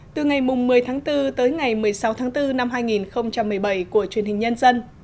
từ ngày một mươi tháng bốn tới ngày một mươi sáu tháng bốn năm hai nghìn một mươi bảy của truyền hình nhân dân